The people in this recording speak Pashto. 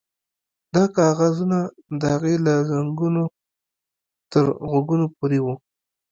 دا کاغذونه د هغې له زنګنو تر غوږونو پورې وو